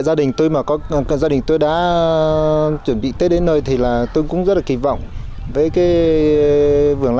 gia đình tôi mà gia đình tôi đã chuẩn bị tới đến nơi thì là tôi cũng rất là kỳ vọng với cái vườn